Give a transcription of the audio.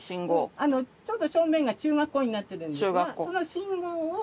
ちょうど正面が中学校になってるんですがその信号をまた左に。